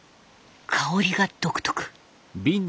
香りが独特。